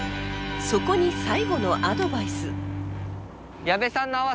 そこに最後のアドバイス。